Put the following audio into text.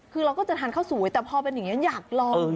คือเราก็จะทานข้าวสวยแต่พอเป็นอย่างนี้อยากลอง